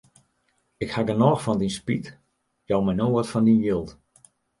Ik haw genôch fan dyn spyt, jou my no wat fan dyn jild.